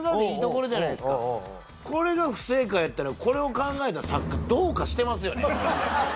これが不正解やったらこれを考えた作家どうかしてますよね